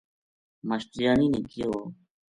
ماشٹریانی نے کہیو